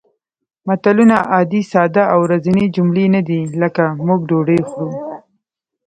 متلونه عادي ساده او ورځنۍ جملې نه دي لکه موږ ډوډۍ خورو